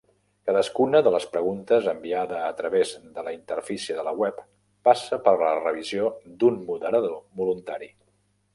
Cadascuna de les preguntes enviada a travès de la interfície de la web passa per la revisió d"un moderador voluntari.